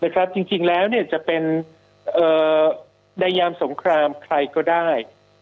จริงแล้วจะเป็นในยามสงครามใครก็ได้